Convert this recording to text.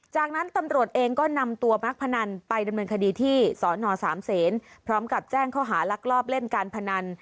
จากนั้นตำรวจเองก็นำตัวนักพนันไปดำเนินคดีที่สนสามเศษพร้อมกับแจ้งข้อหารักลอบเล่นการพนัน